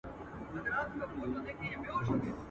دښمن څه وايي، چي زړه وايي.